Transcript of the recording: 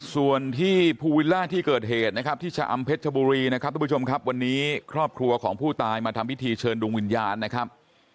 ส่วนที่ภูวิลล่าที่เกิดเหตุนะครับที่ชะอำเพชรชบุรีนะครับทุกผู้ชมครับวันนี้ครอบครัวของผู้ตายมาทำพิธีเชิญดวงวิญญาณนะครับ